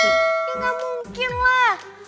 nggak mungkin lah